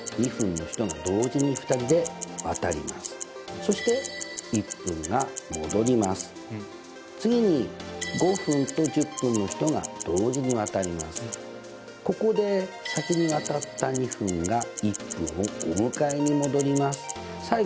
そしてここで先に渡った２分が１分をお迎えに戻ります。